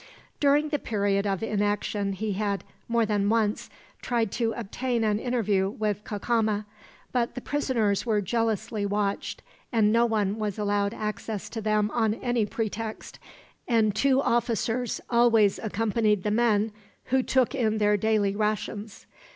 During the period of inaction he had, more than once, tried to obtain an interview with Cacama; but the prisoners were jealously watched, and no one was allowed access to them on any pretext, and two officers always accompanied the men who took in their daily rations.